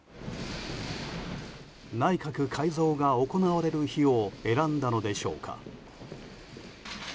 内閣改造が行われる日を選んだのでしょうか。